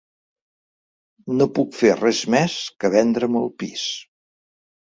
No puc fer res més que vendre'm el pis.